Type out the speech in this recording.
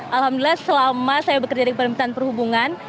alhamdulillah selama saya bekerja di pemerintahan perhubungan